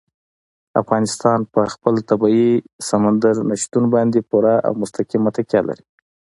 افغانستان په خپل طبیعي سمندر نه شتون باندې پوره او مستقیمه تکیه لري.